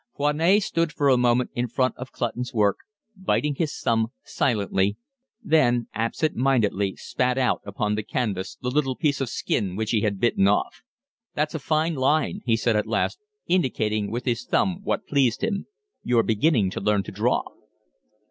Foinet stood for a moment in front of Clutton's work, biting his thumb silently, then absent mindedly spat out upon the canvas the little piece of skin which he had bitten off. "That's a fine line," he said at last, indicating with his thumb what pleased him. "You're beginning to learn to draw."